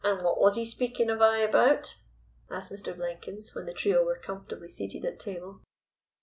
"And what was 'ee speaking of I about?" asked Mr. Blenkins, when the trio were comfortably seated at table.